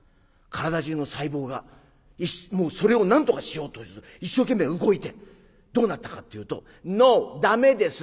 体中の細胞がそれをなんとかしようと一生懸命動いてどうなったかというと「ノー！駄目です」。